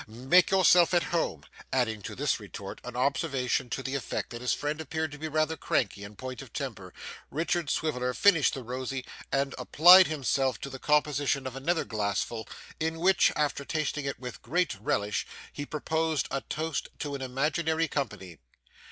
Make yourself at home,' adding to this retort an observation to the effect that his friend appeared to be rather 'cranky' in point of temper, Richard Swiveller finished the rosy and applied himself to the composition of another glassful, in which, after tasting it with great relish, he proposed a toast to an imaginary company.